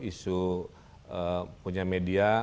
isu punya media